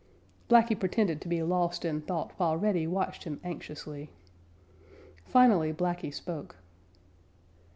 Blacky pretended to be lost in thought while Reddy watched him anxiously. Finally Blacky spoke.